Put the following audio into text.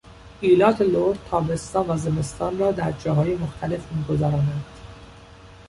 ایلات لر تابستان و زمستان را در جاهای مختلف میگذرانند.